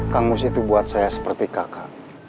kang mus itu buat saya seperti kakak